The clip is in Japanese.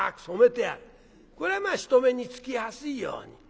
これはまあ人目につきやすいように。